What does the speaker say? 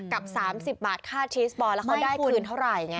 กับ๓๐บาทค่าชีสปอนแล้วเขาได้คืนเท่าไหร่ไง